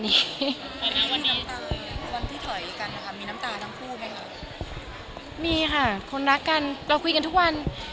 ก็มีอะไรผมปรึกษาแมททิววัน